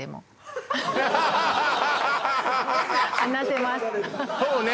話せますそうね